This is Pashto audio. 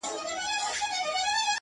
هو زه پوهېږمه ـ خیر دی یو بل چم وکه ـ